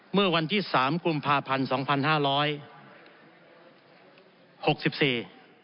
เมื่อวันที่สามกุมภาพันธ์สองพันห้าร้อยหกสิบสี่